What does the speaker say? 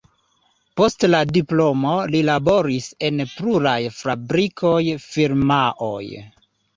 Post la diplomo li laboris en pluraj fabrikoj, firmaoj.